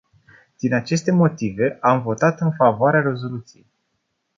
Din aceste motive, am votat în favoarea rezoluției.